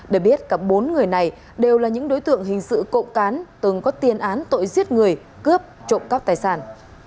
để biết các bốn người này đều là những đối tượng hình sự cộng cán từng có tiên án tội giết người cướp trộm các tài sản